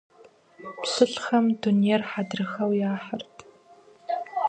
ПщылӀхэм дунейр хьэдрыхэу яхьырт.